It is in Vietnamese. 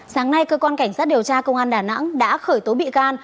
sáng nay cơ quan cảnh sát điều tra công an đà nẵng đã khởi tố bị can